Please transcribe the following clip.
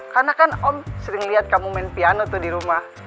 karena kan om sering liat kamu main piano tuh di rumah